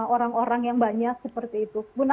orang orang yang banyak seperti itu pun